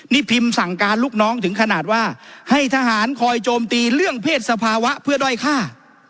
นี่พิมพ์สั่งการลูกน้องถึงขนาดว่าให้ทหารคอยโจมตีเรื่องเพศสภาวะเพื่อด้อยค่า